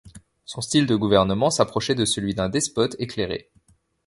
Son style de gouvernement s'approchait de celui d'un despote éclairé.